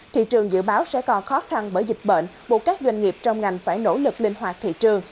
thị trường dự báo sẽ còn khó khăn bởi dịch bệnh buộc các doanh nghiệp trong ngành phải nỗ lực linh hoạt thị trường